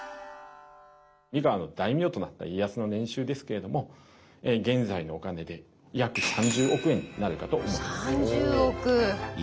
三河の大名となった家康の年収ですけれども現在のお金で約３０億円になるかと思います。